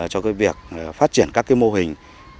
cho cái việc phát triển các mô hình